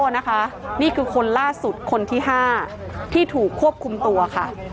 นี่คือคนล่าสุดคนที่๕ที่ถูกควบคุมตัวค่ะ